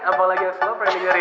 apalagi yang slobber enggak dengerin